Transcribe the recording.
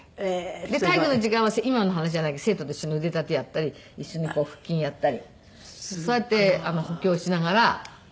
で体育の時間は今の話じゃないけど生徒と一緒に腕立てやったり一緒に腹筋やったりそうやって補強しながら鍛えていましたね。